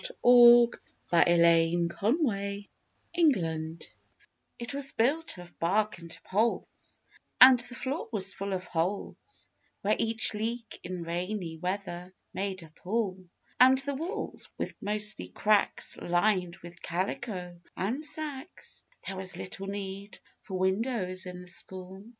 THE OLD BARK SCHOOL It was built of bark and poles, and the floor was full of holes Where each leak in rainy weather made a pool; And the walls were mostly cracks lined with calico and sacks There was little need for windows in the school.